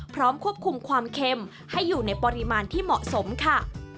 พร้อมควบคุมความเค็มให้อยู่ในปริมาณที่เหมาะสมค่ะ